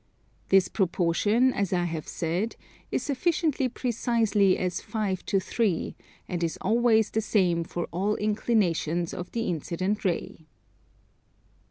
This proportion, as I have said, is sufficiently precisely as 5 to 3, and is always the same for all inclinations of the incident ray.